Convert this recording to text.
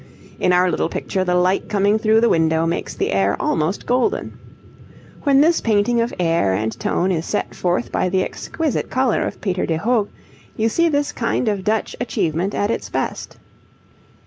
In our little picture the light coming through the window makes the air almost golden. When this painting of air and tone is set forth by the exquisite colour of Peter de Hoogh, you see this kind of Dutch achievement at its best.